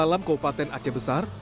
dalam kabupaten aceh besar